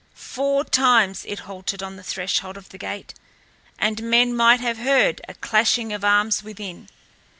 Four times it halted on the threshold of the gate, and men might have heard a clashing of arms within.